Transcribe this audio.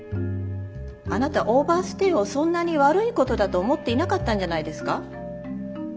あなたオーバーステイをそんなに悪いことだと思っていなかったんじゃないですか？